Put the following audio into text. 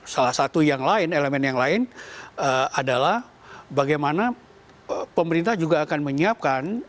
salah satu yang lain elemen yang lain adalah bagaimana pemerintah juga akan menyiapkan